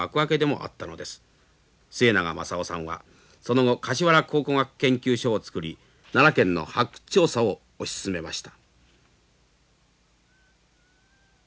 末永雅雄さんはその後橿原考古学研究所を作り奈良県の発掘調査を推し進めました。